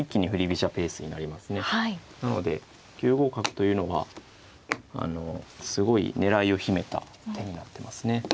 なので９五角というのがすごい狙いを秘めた手になってますね。